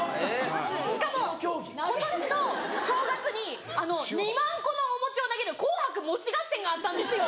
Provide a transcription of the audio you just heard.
しかも今年の正月に２万個のお餅を投げる紅白餅合戦があったんですよ。